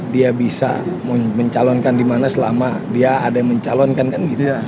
dia bisa mencalonkan di mana selama dia ada yang mencalonkan kan gitu